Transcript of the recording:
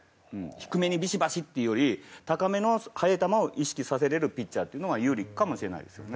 低めにビシバシっていうより高めの速い球を意識させられるピッチャーっていうのが有利かもしれないですよね。